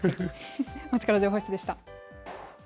まちかど情報室でした。